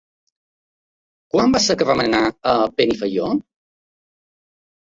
Quan va ser que vam anar a Benifaió?